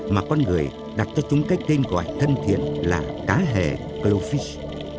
mà con người đặt cho chúng cái tên gọi thân thiện là cá hề glofice